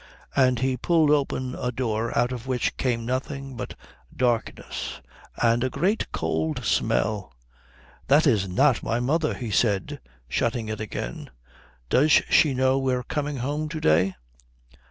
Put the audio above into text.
And he pulled open a door out of which came nothing but darkness and a great cold smell. "That is not my mother," he said, shutting it again. "Does she know we're coming home to day?"